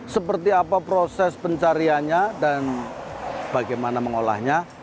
seperti apa proses pencariannya dan bagaimana mengolahnya